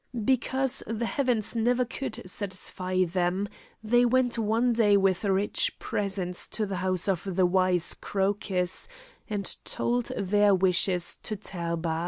Because the heavens never would satisfy them, they went one day with rich presents to the house of the wise Crocus, and told their wishes to Therba.